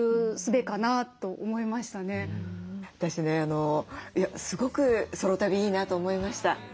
私ねすごくソロ旅いいなと思いました。